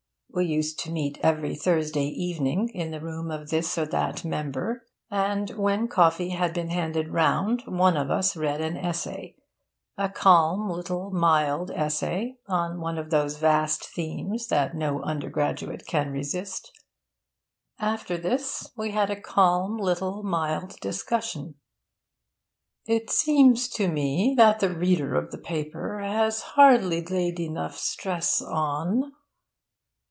We used to meet every Thursday evening in the room of this or that member; and, when coffee had been handed round, one of us read an essay a calm little mild essay on one of those vast themes that no undergraduate can resist. After this, we had a calm little mild discussion 'It seems to me that the reader of the paper has hardly laid enough stress on...'